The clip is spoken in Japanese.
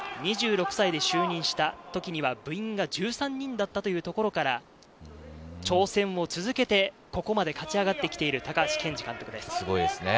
２６歳で就任した時には部員が１３人だったというところから、挑戦を続けて、ここまで勝ち上がってきている高橋健二監督です。